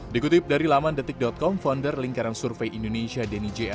dikutip dari laman detik com founder lingkaran survei indonesia denny jaya